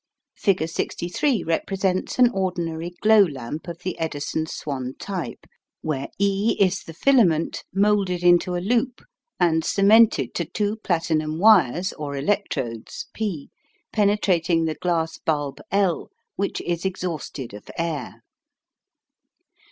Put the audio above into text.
Figure 63 represents an ordinary glow lamp of the Edison Swan type, where E is the filament, moulded into a loop, and cemented to two platinum wires or electrodes P penetrating the glass bulb L, which is exhausted of air.